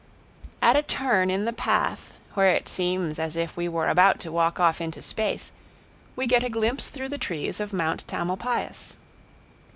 At a turn in the path, where it seems as if we were about to walk off into space, we get a glimpse through the trees of Mount Tamalpais.